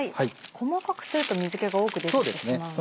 細かくすると水気が多く出てしまうんですね。